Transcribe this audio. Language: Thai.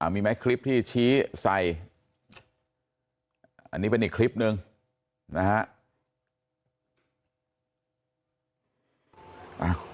มีไหมคลิปที่ชี้ใส่อันนี้เป็นอีกคลิปหนึ่งนะฮะ